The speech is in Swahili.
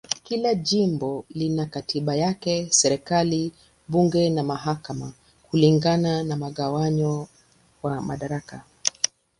Kila jimbo lina katiba yake, serikali, bunge na mahakama kulingana na mgawanyo wa madaraka.